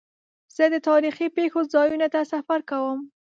زه د تاریخي پېښو ځایونو ته سفر کوم.